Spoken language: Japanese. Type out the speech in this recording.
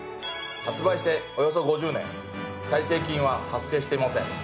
発売しておよそ５０年耐性菌は発生していません。